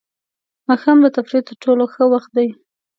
ماښام د تفریح تر ټولو ښه وخت دی.